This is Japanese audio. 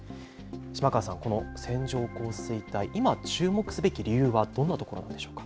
島川さん、この線状降水帯、今、注目すべき理由はどんなところなんでしょうか。